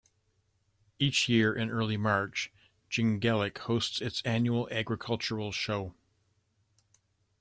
Each year in early March Jingellic hosts its annual agricultural show.